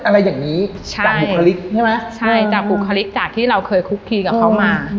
อะไรอย่างนี้ใช่จากบุคลิกใช่ไหมใช่จากบุคลิกจากที่เราเคยคุกคีกับเขามา